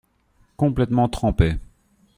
Complètement trempé.